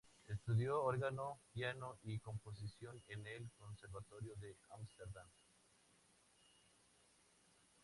Estudió órgano, piano y composición en el conservatorio de Ámsterdam.